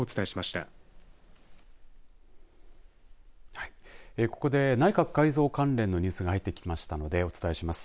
はい、ここで内閣改造関連のニュースが入ってきましたのでお伝えします。